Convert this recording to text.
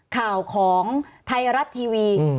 ข่าวของไทยรัฐทีวี